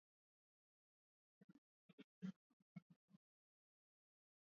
Kuna vipepeo kama vile Dadanesi na wengine wengi wenye rangi tofauti tofauti za kupendeza